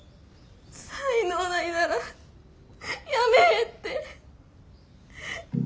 才能ないならやめえって。